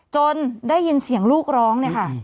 ได้ยินเสียงลูกร้องเนี่ยค่ะ